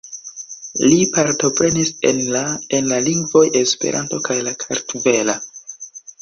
Li partoprenis en la en la lingvoj Esperanto kaj la kartvela.